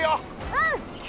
うん！